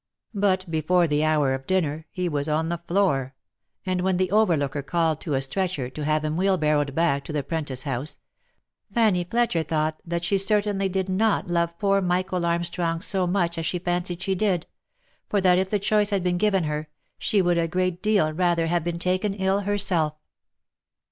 But be fore the hour of dinner he was on the floor, and when the overlooker called to a stretcher to have him wheelbarrowed back to the 'Prentice house, Fanny Fletcher thought that she certainly did not love poor Michael Armstrong so much as she fancied she did, for that if the choice had been given her, she would a great deal rather have been taken ill herself.